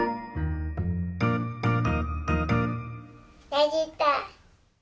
できた！